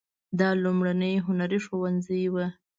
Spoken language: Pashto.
دا لومړنی هنري ښوونځی و.